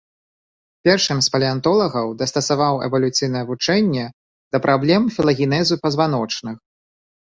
Першым з палеантолагаў дастасаваў эвалюцыйнае вучэнне да праблем філагенезу пазваночных.